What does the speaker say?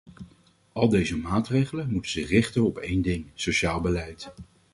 Al deze maatregelen moeten zich richten op één ding - sociaal beleid.